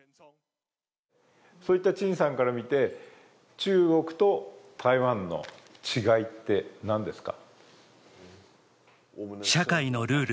そういった陳さんから見て、中国と台湾の違いって何ですか？